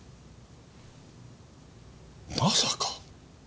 まさか！